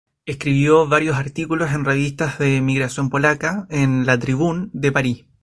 Escribió varios artículos en revistas de emigración polaca y en "la Tribune" de París.